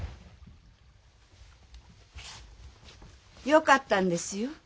よかったんですよ